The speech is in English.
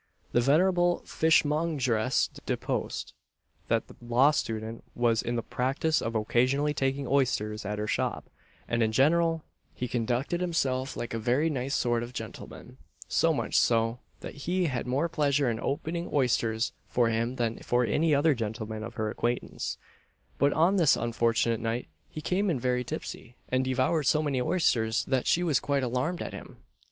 The venerable fishmongeress deposed, that the Law Student was in the practice of occasionally taking oysters at her shop; and in general he conducted himself like a very nice sort of gentleman so much so, that she had more pleasure in opening oysters for him than for any other gentleman of her acquaintance; but on this unfortunate night he came in very tipsy, and devoured so many oysters that she was quite alarmed at him.